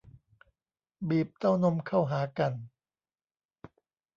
บีบเต้านมเข้าหากัน